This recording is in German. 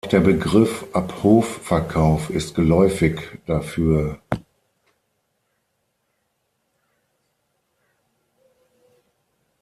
Auch der Begriff Ab-Hof-Verkauf ist geläufig dafür.